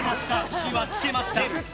火は付けました。